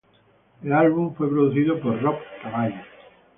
El álbum fue producido por Rob Cavallo.